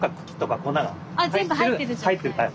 あ全部入ってる状態。